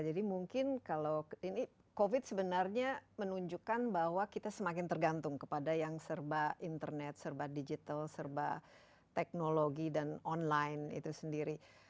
jadi mungkin kalau ini covid sebenarnya menunjukkan bahwa kita semakin tergantung kepada yang serba internet serba digital serba teknologi dan online itu sendiri